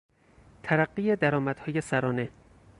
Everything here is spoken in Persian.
ترقی درآمدهای سرانه